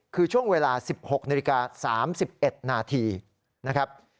คือช่วงเวลา๑๖นาฬิกา๓๑นาทีนะครับ